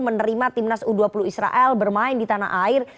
menerima timnas u dua puluh israel bermain di tanah air